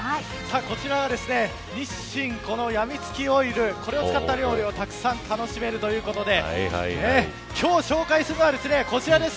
こちらはですね日清やみつきオイルを使った料理をたくさん楽しめるということで今日、紹介するのはこちらです。